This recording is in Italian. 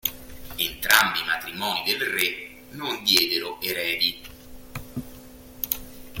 Entrambi i matrimoni del Re non diedero eredi.